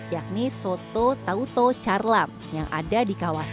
yakni soto tauto carlam yang ada di kawasan